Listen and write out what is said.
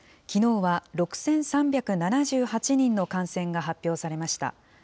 きのうは６３７８人の感染が発表されました。